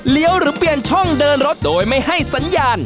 หรือเปลี่ยนช่องเดินรถโดยไม่ให้สัญญาณ